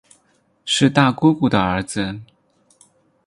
是大姑姑的儿子